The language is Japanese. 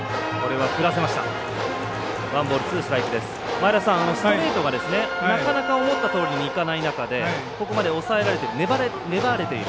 前田さん、ストレートがなかなか思ったとおりにいかない中でここまで抑えられている。